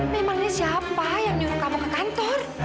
memang ini siapa yang nyuruh kamu ke kantor